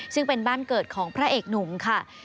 ซึ่งเป็นบ้านเกิดของพระเอกหนุ่มค่ะ